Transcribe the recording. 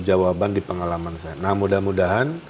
jawaban di pengalaman saya